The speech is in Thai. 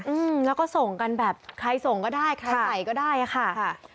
อืมแล้วก็ส่งกันแบบใครส่งก็ได้ใครใส่ก็ได้อ่ะค่ะค่ะ